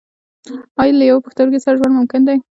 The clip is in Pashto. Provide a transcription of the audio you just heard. ایا له یوه پښتورګي سره ژوند ممکن دی